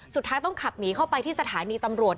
สุดท้ายต้องขับหนีเข้าไปที่สถานีตำรวจ